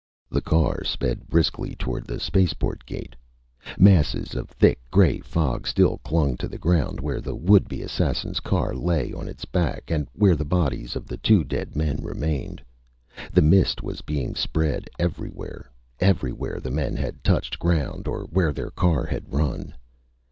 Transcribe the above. The car sped briskly toward the spaceport gate. Masses of thick gray fog still clung to the ground where the would be assassins' car lay on its back and where the bodies of the two dead men remained. The mist was being spread everywhere everywhere the men had touched ground or where their car had run.